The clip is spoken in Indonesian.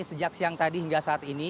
sejak siang tadi hingga saat ini